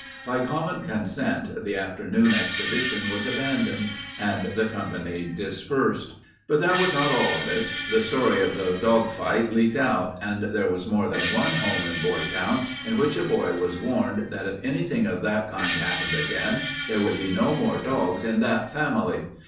By common consent the afternoon's expedition was abandoned and the company dispersed. But that was not all of it. The story of the dog fight leaked out, and there was more than one home in Boytown in which a boy was warned that if anything of that kind happened again there would be no more dogs in that family.